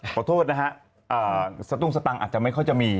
ขอโทษนะฮะสตุ้งสตังค์อาจจะไม่ค่อยจะมี